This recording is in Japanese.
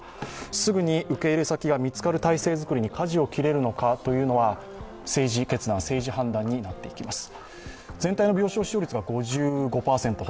すぐに受け入れ先が見つかる体制づくりにかじを切れるのかというのは政治決断、政治判断になっていきます。